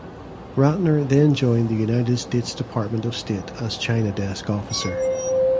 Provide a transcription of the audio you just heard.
Ratner then joined the United States Department of State as China desk officer.